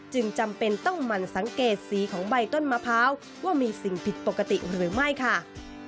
จำเป็นต้องหมั่นสังเกตสีของใบต้นมะพร้าวว่ามีสิ่งผิดปกติหรือไม่ค่ะ